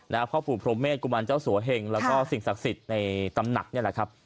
พ่อปู่พรหมเมฆกุมารเจ้าสัวเหงแล้วก็สิ่งศักดิ์สิทธิ์ในตำหนักนี่แหละครับ